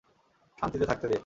শান্তিতে থাকতে দে।